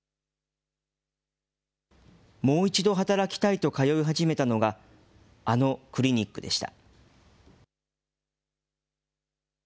もう一度働きたいと通い始めたのが、あのクリニックでした。